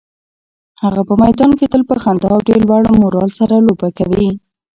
هغه په میدان کې تل په خندا او ډېر لوړ مورال سره لوبه کوي.